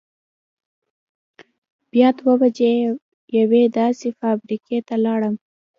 بیا دوه بجې یوې داسې فابرېکې ته لاړم.